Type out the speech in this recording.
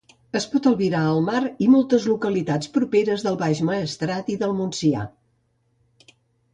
Es pot albirar el mar i moltes localitats propers del Baix Maestrat i del Montsià.